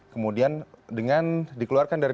kemudian dengan dikeluarkan dari